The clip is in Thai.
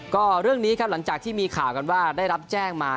ก็เรื่องนี้ครับหลังจากที่มีข่าวกันว่าได้รับแจ้งมา